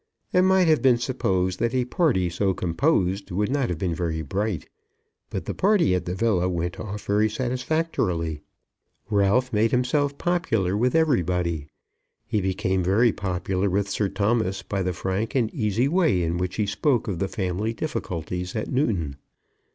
It might have been supposed that a party so composed would not have been very bright, but the party at the villa went off very satisfactorily. Ralph made himself popular with everybody. He became very popular with Sir Thomas by the frank and easy way in which he spoke of the family difficulties at Newton.